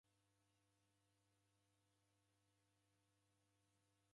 Habari radingira w'ow'a.